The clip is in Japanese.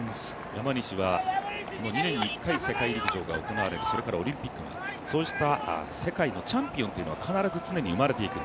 山西は２年に１回、世界陸上が行われる、それからオリンピックそうした世界のチャンピオンというものは必ず、常に生まれていく。